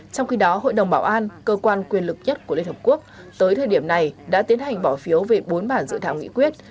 trong khi đó hội đồng bảo an cơ quan quyền lực nhất của liên hợp quốc tới thời điểm này đã tiến hành bỏ phiếu về bốn bản dự thảo nghị quyết